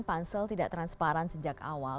pansel tidak transparan sejak awal